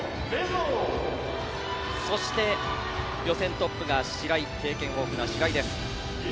そして予選トップが経験豊富な白井です。